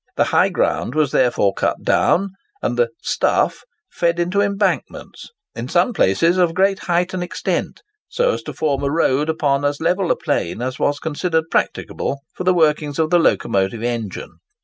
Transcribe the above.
The high ground was therefore cut down and the "stuff" led into embankments, in some places of great height and extent, so as to form a road upon as level a plane as was considered practicable for the working of the locomotive engine.